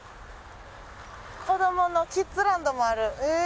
子どものキッズランドもある。